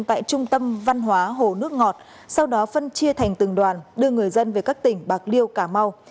tại trung tâm văn hóa hồ nước ngọt sau đó phân chia thành từng đoàn đưa người dân về các tỉnh bạc liêu cà mau